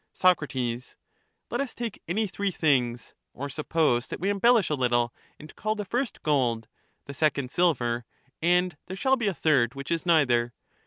Soc, Let us take any three things; or suppose that we embellish a little and call the first gold, the second silver, and there shall be a third which is neither.